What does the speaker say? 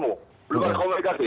belum ada komunikasi